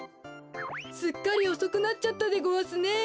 すっかりおそくなっちゃったでごわすね。